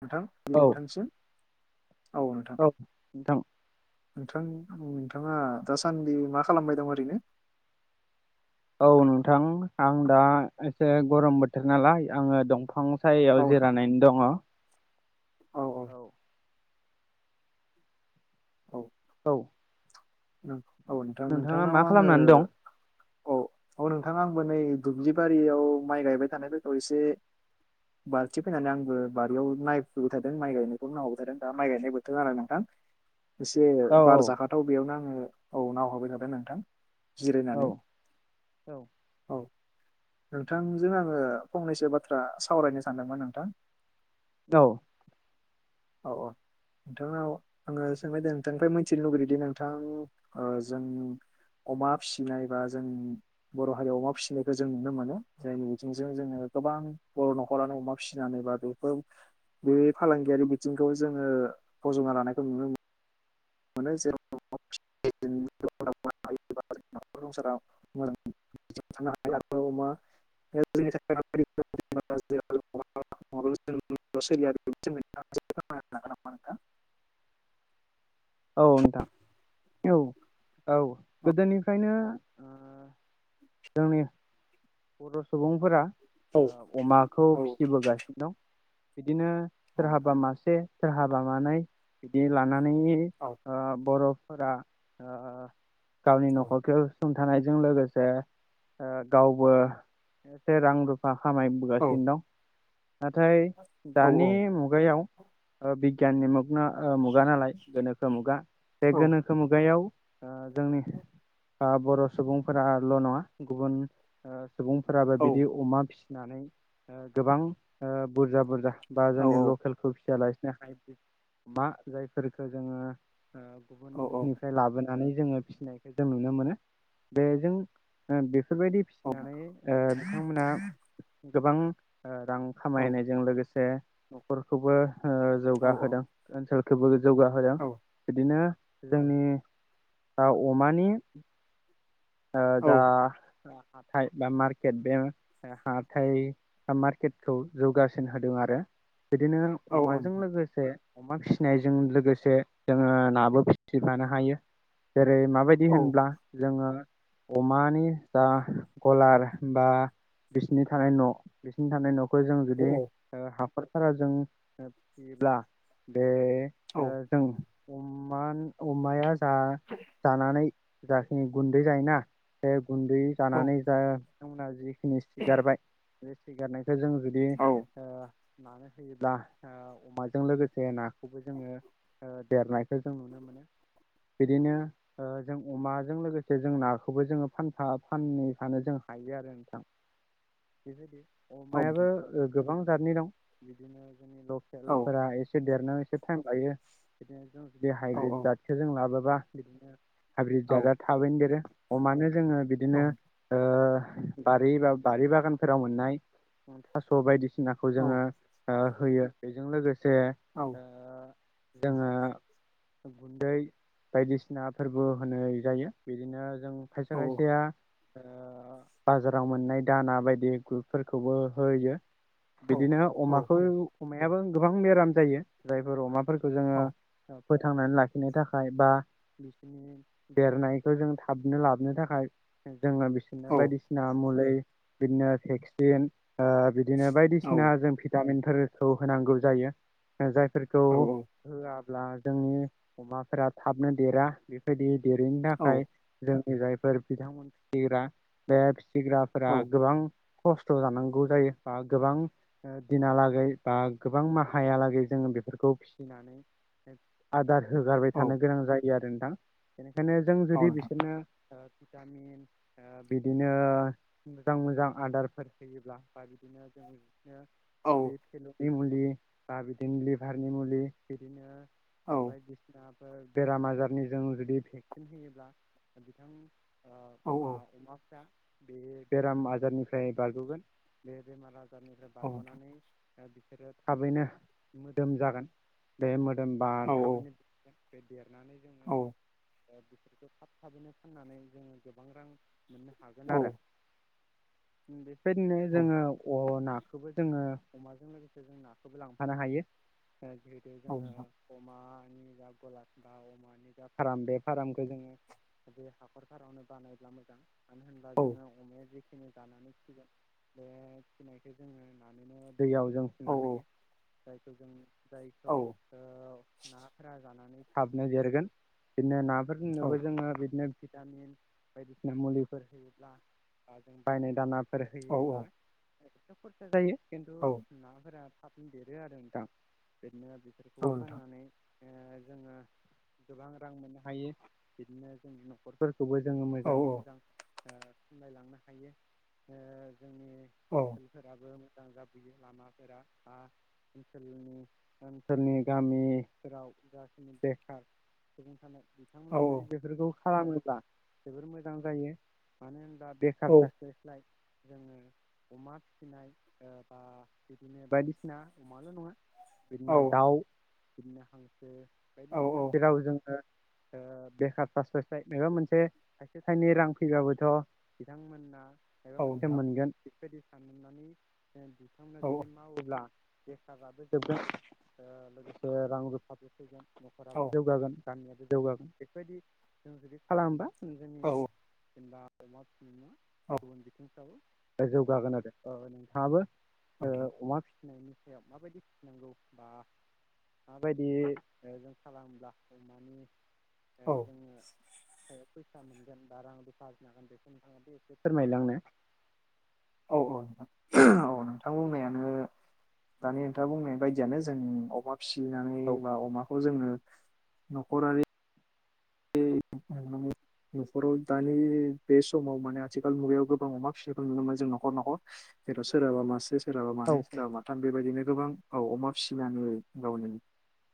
नोंथां औ नोंथांसिम औ नोंथां नोंथां नोंथाङा दासान्दि मा खालामबाय दं ओरैनो औ नोंथां आं दा एसे गरम बोथोर नालाय आङो दंफां सायायाव औ जिरायनानै दङ औ औ औ औ नोंथां नोंथांनाव आङो खालामनानै दं औ औ नोंथाङा आं मोनै दुब्लि बारियाव माइ गायबाय थानायफोरखौ एसे बालथिं फैनानै आंबो बारियाव नायफुबाय थादों माइ गायनायखौ नायहरबाय थादों दा माइ गायनाय बोथोर आरो नोंथां। एसे औ बार औ जाखाथाव बेयावनो आङो औ नाव हरबाय थादों नोंथां। औ जिरायनानै औ औ नोंथांजों आङो फंनैसो बाथ्रा सावरायनो सानदोंमोन नोंथां। औ औ औ नोंथांनाव आङो सोंबायदों नोंथांनिफ्राय मिथिनो लुगैदोंदि नोंथां जोंनि अमा फिसिनाय बा जों बर' हारियाव अमा फिसिनायखौ जों नुनो मोनो जायनि बिथिंजों जोङो गोबां बर' न'खरानो अमा फिसिनानै बा बेफोर बे फालांगियारि बिथिंखौ जोङो फज'ना लानायखौ नुनो मोनो। मानो जेराव [unintelligible] रंसाराव अमा [unintelligible] [unintelligible] सोलियो नोंथां [unintelligible] औ नोंथां औ औ गोदोनिफ्रायनो ओ जोंनि बर' सुबुंफोरा औ अमाखौ फिसिबोगासिनो दं बिदिनो सोरहाबा नोंथां मासे सोरहा बानानै बिदि लानानै औ ओ बरफो फोरा ओ गावनि औ न'खरखौ सुफुं थानायजों लोगोसे गावबो एसे रां रुफा औ खामायबोगासिनो दं नाथाय औ औ दानि मुगायाव ओ बिगियाननि मुगना ओ मुगा नालाय गोनोखो मुगा बे औ गोनोखो मुगायाव ओ जोंनि ओ बर सुबुंफोराल नङा गुबुन ओ सुबुंफोराबो बिदि अमा फिसिनानै ओ गोबां ओ बुरजा बुरजा बा औ जोंनि लकेलखौ फियालासिनो हाइब्रि मा जायफोरखो जोङो ओ औ गुबुननिफ्राय लाबो नानै फिसिनायखौ जों नुनो मोनो बे जों ओ बेफोरबायदि औ फिनानै ओ बिथांमोना गोबां ओ रां औ खामायनायजों लोगोसे नखरखौबो ओ औ नोंथां औ जौगाहोदों ओनसोलखौबो औ जौगाहोदों बिदिनो जोंनि दा अमानि ओ दा औ हाथाय बा मार्केट बे ओ हा थाइ आ मार्केटखौ जौगासिन होदों आरो। बिदिनो औ नोंथां औ अमाजों लोगोसे अमा फिसिनायजों लोगोसे जोङो नाबो फिसिफानो हायो। जेरै माबायदि होनब्ला जोङो अमानि जा गलार बा बिसिनि थानाय न बिसिनि थानाय नख खौ जों जुदि औ ओ हाखरफारा जों फियोब्ला बे ओ जों अमान अमाया जा जानानै जाखिनि गुन्दै जायोना बे गुन्दै जानानै जा बिथांमोनहा जि खिनि सिगारबाय बे सिगारनायखौ जों जुदि ओ नानो होयोब्ला ओ अमाजों लोगोसे नाखौबो जोङो ओ देरनायखौ जों नुनो मो बिदिनो ओ जों अमाजों लोगोसे से जों नाखौबो जोङो फानफा फानैफानो जों हायो आरो नोंथां बेबायदि अमायाबो ओ गोबां जाथनि दं बिदिनो जोंनि लकेलफोरा एस से देरनो एसे टाइम लायो बिदिनो जों जुदि औ नोंथां औ नोंथां हाइब्रिद जाथखो जों लाबोबा बिदिनो हाब्रिद औ नोंथां औ नोंथां औ जाददा देरो अमानो जोङो औ बिदिनो ओ बारि बा बारि बागानफोराव मोननाय थास बायदिसिनाखौ जोङो ओ होयो बेजों लोगोसे ओ जोङो गुन्दै बायदिसिना फोरबो होनै जायो बिदिनो जों खायसे खायसेया ओ बाजाराव मोननाय दाना बायदि गुरफोरखौबो होयो बिदिनो अमाखौ अमायाबो गोबां बेराम जायो जायफोर अमाफोर खौ जोङो ओ फोथांनानै लाखिनो थाखाय बा बिसिनि देरनाय खौ जों थाबनो लाबनो थाखाय जोङो बिसोरनो बायदिसिना मुलै बिदिनो भेक्सि सिन ओ बिदिनो बायदिसिना जों भिटामिनफोरखौ होनांगौ जायो ओ जायफोरखौ होया ब्ला जोंनि अमाफोरा थाबनो देरा बेबायदि देरैनि थाखाय जों नि जायफोर बिथांमोन फिसिग्रा बे फिसिग्राफोरा गोबां खस्थ जानांगौ जायो बा गोबां दिनालागै बा गोबां माहायालागै जोङो बे बेफोरखौ फिसिनानै आदार होगारबाय थानो गोनां जायो आरो नोंथां बेनिखायनो जों जुदि बिसोरनो ओ भिटामिन ओ बिदिनो मोजां मोजां आदारफोर होयोब्ला बा बिदिनो ओं जों बिदिनो जुदि फिलौ नि मुलि बा बिदिनो लिभारनि मुलि बिदिनो ओ बायदिसिनाफोर बेराम आजारनि जों जुदि भे सिन होयोब्ला बिथां ओ बा अमाफ्रा बे बेराम आजारनिफ्राय बारगगोन बे बेमार आजारनिफ्राय बारगनानै बा बिसोरो थाबैनो मोदोम जागोन बे मोदोम बा थाबैनो बि बे देरनानै जोङो बिसोरखौ थाब थाबैनो फाननानै जोङो गोबां रां मोननो हागोन आरो बेबायदिनो जोङो अ ना बेखौबो जोङो अमाजों लोगोसे जों नाखौबो लांफानो हायो जिहेथु जोङो अमानि जा गलाब बा अमानि जा फाराम बेे फार्मखौ जोङो बे हाखरफोरावनो बानायब्ला मोजां मानो होनोबा जोङो अमाया फिनो जानानै फिसिगोन बे फिनायखौ जोङो नानैनो दैयाव जों फुनो हायो जायखौ जों जायखौ ओह नाफोरा जानानै साबनो देरगोन बिदिनो नाफोरनोबो जोङो बिदिनो भिटामिन बायदिसिना मुलिफोर होयोब्ला जों बायनाय दाना फोर होयोब्ला एथ' खरसा जायो खिन्थु नाफोरा थाब देरो आरो नोंथां बिदिनो बिसोरफोरखौ फाननानै जोङो गोबां रां मोननो हायो बिदिनो जों न'खरफोर खौबो जोङो मोजाङै मोजां ओह सामलायलांनो हायो ओह जोंनि औ ओनसोलफोराबो मोजां जाबोयो लामाफोरा बा ओनसोलनि गामिफोराव जाखिनि बेखार सुबुं थानाय औ बिथांमोना जुदि बेफोरखौ खालामोब्ला जोबोर मोजां जायो मानो होनबा बेखार औ थास्लाय स्लाय जोङो अमा फिसिनाय ओह बा बिदिनो बायदिसिना अमाल' नङा बिदिनो औ दाउ बिदिनो हांसो औ बायदिसिना जेराव जोङो ओह बेखार थास्लाय स्लाय माबा मोनसे थाइसे थाइनै रां फैबाबोथ' बिथांमोना मायबा औ मोनसे नोंथां मोनगोन बेफोरबायदि साननानै बिथांमोननो औ जुदि मावोब्ला बेखाराबो जोबगोन लोगोसे रां रुफाबो फैगोन औ न'खराबो जौगागोन गामियाबो जौगागोन बेफोरबायदि जों जुदि खालामोबा जोंनि औ जेनेबा अमा फिनाय गुबुन बिथिंफ्राबो जौगागोन आरो नोंथाङाबो औ नोंथां ओह अमा फिनायनि सायाव माबायदि फिनांगौ बा माबायदि ओ जों खालामोब्ला अमानि ओ औ जोङो फैसा मोनगोन बा रां रूपा आरजिनो हागोन बेखौ नोंथाङा बे एसे फोरमायलाय आंनो। औ-औ नोंथां औ नोंथां बुंनायानो दानि नोंथाङा बुंनाय बायदियानो जों अमा फिसिनानै औ बा अमाखौ जोङो न'खरारि। अमानि न'खराव दानि बे समाव माने आथिखाल मुगायाव गोबां अमा फिसाखौ नुनो मोनो जों न'खर-न'खर। जेराव सोरहाबा मासे सोरहाबा औ मानो सोराबा माथाम बेबायदिनो गोबां औ अमा फिसिनानै गावनि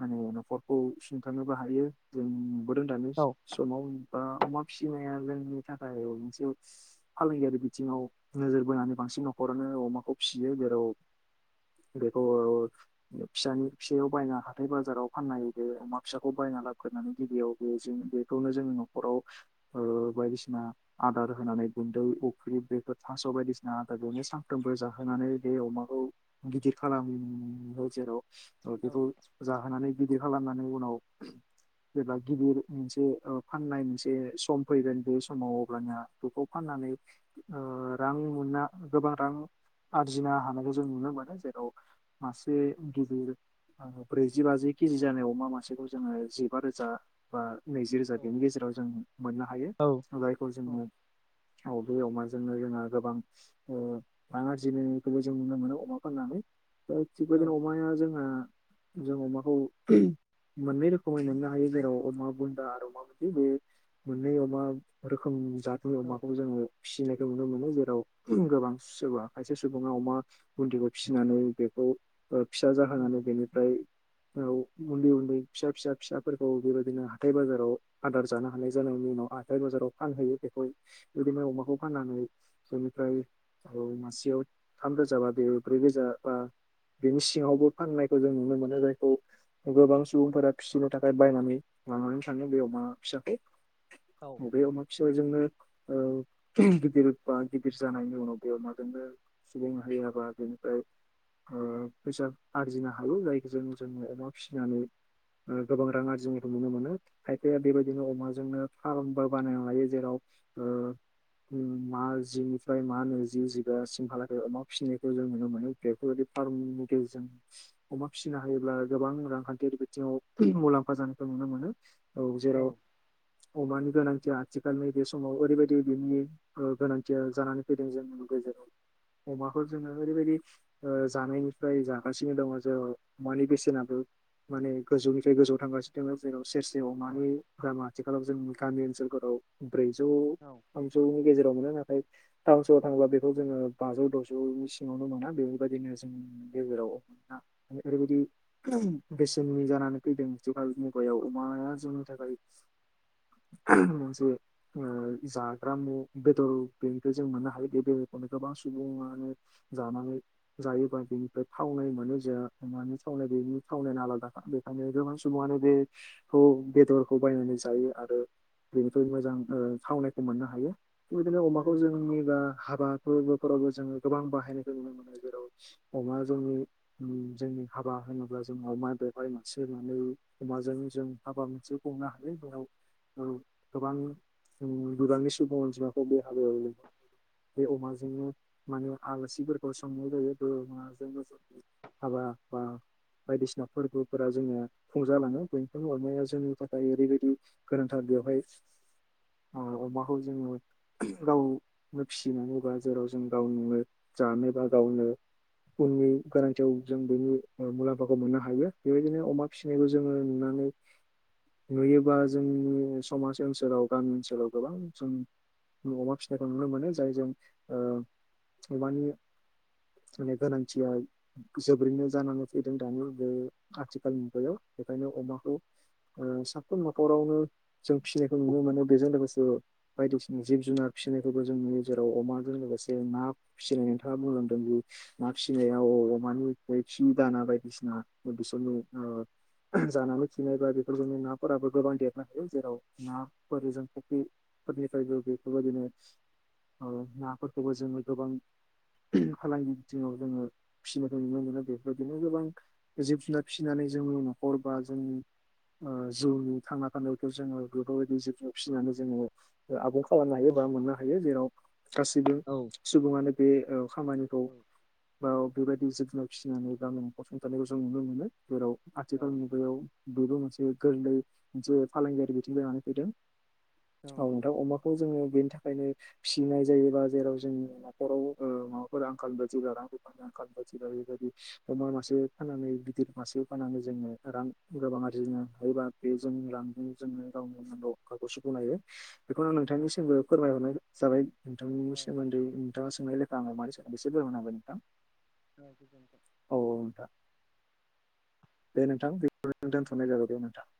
माने न'खरखौ सुंथांनोबो हायो जों नुबोदों दानिस औ बा अमा फिसिनाया जोंनि थाखाय मोनसे फालांगियारि बिथिङाव नोजोर बोना बांसिन न'खरानो अमाखौ फिसियो जेराव फ बेखौ ओ फिसानि फिसायाव बायना हाथाय बाजाराव फाननाय बे अमा फिसाखौ बाय लाना फैना बे गिबियाव बे जों बे। खौनो जोङो न'खराव ओ बायदिसिना आदार होनानै गुन्दै अफ्रि बेफोर थास'। बायदिसिना आदारजोंनो सानफ्रोमबो जाहोनानै बे अमाखौ गिदिर खालामै जेराव औ बेखौ जाहोनानै गिदिर खालामनानै उनाव जेब्ला गिदिर मोनसे ओ फाननाय मोनसे सम फैगोन बे समाव अब्लानो बेखौ फाननानै ओ रां। गुबुना गोबां रां आरजिनो हानायखौ जों नुनो मोनो जेराव मासे गिदिर। ब्रैजि बाजि केजि जानाय अमा मासेखौ जोङो जिबा रोजा बा नैजि। रोजा बेनि गेजेराव जों मोननो हायो औ जायखौ औ जोङो औ बे अमाजोंनो जोंहा गोबां ओ रां आरजियनायखौबो जों नुनो मोनो अमा फाननानै। दा थिगबायदिनो अमाया जोंहा जों अमाखौ मोननै रोखोमै मोननो हायो जेराव अमा बुन्दा आरो अमा बु बे मोननै अमा रोखोम जतनि अमाखौबो जोङो। फिसिनायखौ नुनो मोनो जेराव गोबां सोरबा खायसे सुबुङा अमा बुन्दिखौ फिसिनानै बे खौ ओ फिसा उम जाहोनानै बेनिफ्राय औ उन्दै-उन्दै फिसा-फिसा-फिसाफोरखौ बेबायदिनो हाथथाय बाजाराव। आदार जानो हानाय जानायनि उनाव हाथाय बाजाराव फानहैयो बेखौ बिदिनो अमाखौ फाननानै जों फ्राय औ मासेयाव थाम रोजाबा बे ब्रै रोजा बा बिनि सिङावबो फाननायखौ जों नुनो मोनो जायखौ गोबां सुबुंफोरा फिसिनो थाखाय बायनानै। लानानै थाङो बे अमा औ फिसाखौ बे अमा फिसाजोंनो ओ गिदिर बा गिदिर जानायनि उनाव बे अ'माजोंनो सुबुं माहारियाबा बेनिफ्राय। ओ फैसा आरजिनो हायो जायखौ जों जोङो अ'मा फिसिनानै ओ गोबां रां आरजिनायखौ नुनो मोनो खायफाया बेबाय उम बेनो अमाजोंनो फार्मबो बानायना लायो जेराव ओ ओम मा जिनिफ्राय मा नैजि जिबा सिमहालागै अ'मा फिसिनायखौ जों नुनो मोनो बेफोरबायदि फार्मनि गेजेरजों अ'मा फिसिनो हायोब्ला गोबां रांखान्थियारि बिथिङाव मुलाम्फा जानायखौ नुनो मोनो औ जेराव अमानि गोनांथिया आथिखालनि बेे समाव ओरैबायदि बिनि ओ गोनांथिया जानानै फैदों जोंनि गेजेराव। अ'माखौ जोङो ओरैबायदि ओ जानायनिफ्राय जागासिनो दङ जेराव अमानि बेसेनाबो माने गोजौनिफ्राय गोजौआव थांगासिनो दङ जेराव सेरसे औ अमानि दामा आथिखालाव जों गामि ओनसोलफोराव ब्रैजौ थामजौनि गेजेराव मोनो ना थाय टावन सहरावआव थाङोब्ला बेखौ जोङो बाजौ द'जौनि सिङावनो मोना बेफोरबायदिनो जोंनि गेजेराव। अ' मोना माने ओरैबायदि बेसेननि जानानै फैदों जुगाल मुगायाव अमाया जो नि थाखाय। मोनसे ओ जाग्रा मु बेदर बेनिफ्राय जों मोननो हायो बे बेदरखौनो गोबां सुबङानो जानानै जायोबा बेनिफ्राय थावनाय मोनो जा अ'मानि थावनाय बे बेनि थावनायानो आलादाखा बेखायनो गोबां सुबुङनो खौ बेदर खौ बायनानै जायो आरो बेनिफ्राय मोजां ओ थावनायखौ मोननो हायो। बे बादिनो अमाखौ जोंनिबा हाबा फोरबोफोरावबो जोङो गोबां बाहायनायखौ नुनो मोनो जेराव अ'मा जोंनि ओम जोंनि हाबा होनोब्ला जों अमा बेवहाय मासे मानै अमाजों जों हाबा मोनसे खुंनो हागोन बेव औ गोबां ओम बिबांनि सुबुं अनजिमाखौ बे हाबायावनो बे अमाजोंनो माने आलासिफोरखौ संनाय जायो बे अमाजोंनो [unintelligible] हाबा हाबा बायदिसिना फोरबोफोरा जोंनिया खुंजालाङो बिनिखायनो अमाया जोंनि था बा ओरैबायदि गोनांथार बेवहाय औ अमाखौ जोङो गावनो फिसिनानैबा जेराव जों गाव नोङो जानोबा गावनो उननि गोनांथियाव जों बेनि ओ मुलाम्फाखौ मोननो हायो बेबायदिनो अमा फिसिनायखौ जोङो नुना नै नुयोबा जोंनि समाज ओनसोलाव गामि ओनसोलाव गोबां जों न'अमा फिसिनायखौ नुनो मोनो जाय जों ओ अमानि माने गोनांथिया जोबोरैनो जानानै फैदों दानि बे आथिखाल मुगायाव बेखायनो अमाखौ ओ साफ्रोम न'खरावनो जों फिसिनायखौ नुनो मोनो बेजों लोगोसे बायदिसिना जिब जुनार फिसि नायखौबो जों नुयो जेराव अमाजों लोगोसे ना फिसिनाय नोंथाङा बुंलांदों जे ना फिसिनायाव अमानिफ्राय कि दाना बायदिसिना ओ बिसोरनि ओ जानानै खिनाय बा बे जोंनि नाफोराबो गोबां देरनो हायो जेराव नाफोर जों फक्रिफोरनिफ्रायबो बेफोरबायदिनो ओ नाफोरखौबो जोङो गोबां फालांगि बिथिङाव जोङो फिसिनायखौ नुनो मोनो बेफोरदिनो गोबां जिब जुनार फिसिनानै जोंनि न'खर बा जोंनि ओ जिउनि थांना थानायखौ जोङो बेफोरबायायदि जिब जुनार फिसिनानै जोङो आबुं खालामनो हायो बा मोननो हायो जेराव गासैबो औ सुबुङानो बे खामानिखौ बा बेबायदि जिब जुनार फिसिनानै गामनि फसंथानायखौ जों नुनो मोनो जेराव आथिखाल मुगायाव बेबो मोनसे गोरलै मोनसे फालांगियारि बिथिं जानानै फैदों। औ दां अमाखौ जोङो बेनि थाखाय ओंखायनो फिसिनाय जायोबा जेराव जोंनि न'खराव ओ माबाफोर आंखाल बा रांनि आंखालफोर बाय बेबायदि अमा मासे फाननानै गिदिर मासे फाननानै जोङो रां गोबां आरि जोंनो हायोबा बे जों रां जोंनो गावनि आंखालखौ सुफुंनो हायो। बेखौनो आं नोंथांनिसिमबो फोरमायहरनाय जाबाय औ नोंथांनि सोमोन्दै नोंथाङा सोंनाय लेखा आं अमानि सोमोन्दै ऐसे फोरमायना होबाय नोंथां। न बे दोंथ औ नोंथां दे नोंथां बे दोनथ'नाय जाबाय दे नोंथां।